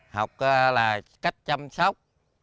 học là cách chăm sóc